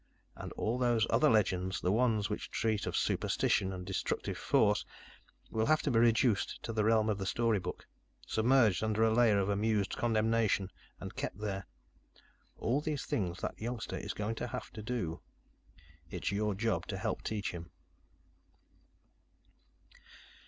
And all those other legends the ones which treat of superstition and destructive force will have to be reduced to the realm of the storybook, submerged under a layer of amused condemnation, and kept there. All these things, that youngster is going to have to do. "It's your job to help teach him."